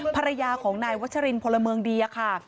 ภรรยาของนายวัชรินพลเมืองดีค่ะ